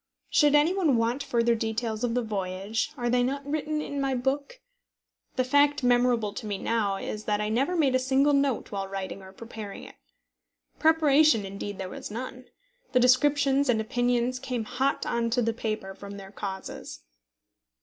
Should any one want further details of the voyage, are they not written in my book? The fact memorable to me now is that I never made a single note while writing or preparing it. Preparation, indeed, there was none. The descriptions and opinions came hot on to the paper from their causes.